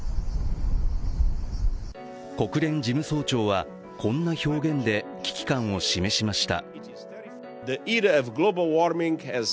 国連事務総長は、こんな表現で危機感を示しました。